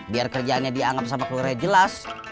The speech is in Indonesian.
biar kerjaannya dia anggap sama keluarganya jelas